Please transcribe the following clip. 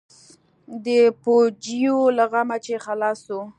د پوجيو له غمه چې خلاص سو.